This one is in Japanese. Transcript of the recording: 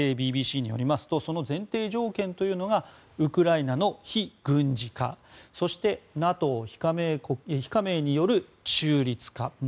ＢＢＣによりますとその前提条件というのがウクライナの非軍事化そして、ＮＡＴＯ非加盟による中立化。